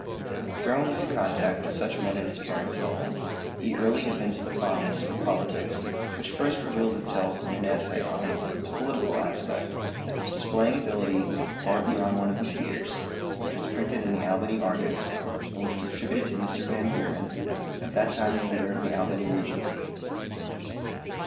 Thrown into contact with such men at his parent's home, he early evinced a fondness for politics which first revealed itself in an essay on 'The Political Aspect,' displaying ability far beyond one of his years, which was printed in the Albany Argus, and which was attributed to Mr. Van Buren, at that time the leader of the Albany Regency.